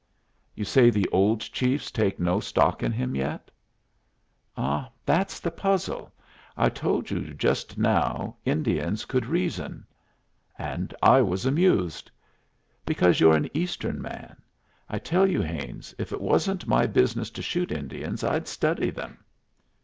"You say the old chiefs take no stock in him yet?" "Ah, that's the puzzle. I told you just now Indians could reason." "And I was amused." "Because you're an Eastern man. I tell you, Haines, if it wasn't my business to shoot Indians I'd study them."